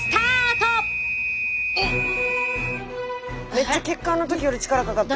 めっちゃ血管の時より力かかってる。